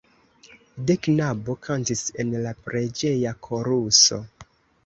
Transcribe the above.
De knabo kantis en la preĝeja koruso.